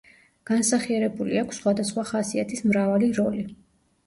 განსახიერებული აქვს სხვადასხვა ხასიათის მრავალი როლი.